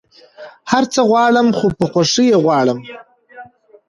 هر څه غواړم خو په خوښی يي غواړم